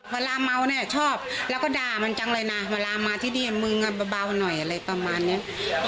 เวลาเมาเนี่ยชอบแล้วก็ด่ามันจังเลยนะเวลามาที่นี่มึงเบาหน่อยอะไรประมาณนี้